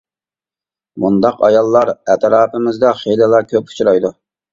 مۇنداق ئاياللار ئەتراپىمىزدا خىلىلا كۆپ ئۇچرايدۇ.